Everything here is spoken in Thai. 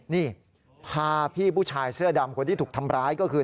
นี่พาพี่ผู้ชายเสื้อดำคนที่ถูกทำร้ายก็คือ